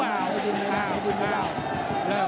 ตามต่อยกที่สองครับ